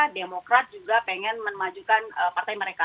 demokrat juga pengen memajukan partai mereka